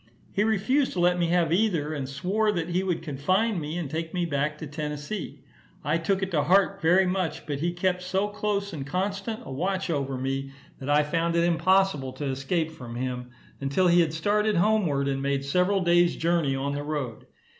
He refused to let me have either, and swore that he would confine me, and take me back to Tennessee. I took it to heart very much, but he kept so close and constant a watch over me, that I found it impossible to escape from him, until he had started homeward, and made several days' journey on the road.